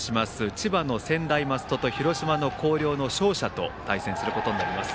千葉の専大松戸と広島の広陵の勝者と対戦することになります。